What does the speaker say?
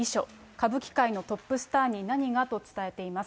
歌舞伎界のトップスターに何がと伝えています。